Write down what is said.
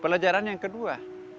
pelajaran yang kedua